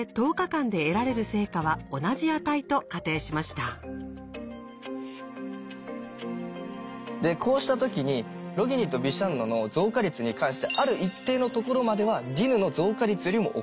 なお本さんは３人が働いてこうした時にロギニとビシャンノの増加率に関してある一定のところまではディヌの増加率よりも大きい。